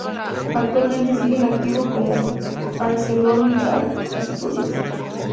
Actualmente sigue en activo como ArcelorMittal Asturias.